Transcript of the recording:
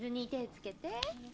つけて。